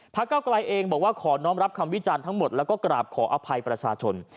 เก้าไกลเองบอกว่าขอน้องรับคำวิจารณ์ทั้งหมดแล้วก็กราบขออภัยประชาชน